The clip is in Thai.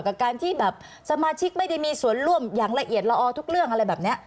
กับการที่แบบสมาชิกไม่ได้มีส่วนร่วมอย่างละเอียดละออทุกเรื่องอะไรแบบนี้